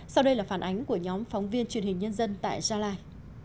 sau đây là phản ánh của nhóm phóng viên truyền hình nhân dân tại gia lai